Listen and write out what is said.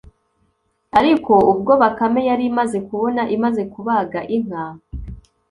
ariko ubwo bakame yari imaze kubona imaze kubaga inka